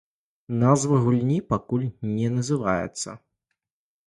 Назва гульні пакуль не называецца.